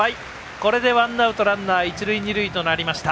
これでワンアウト、ランナー一塁二塁となりました。